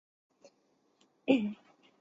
尖尾银鳞蛛为肖峭科银鳞蛛属的动物。